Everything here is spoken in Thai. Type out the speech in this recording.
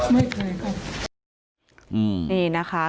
ไม่เคยครับ